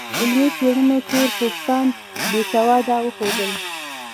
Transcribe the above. علمي څېړنو تور پوستان بې سواده وښودل.